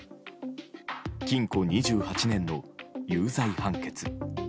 禁固２８年の有罪判決。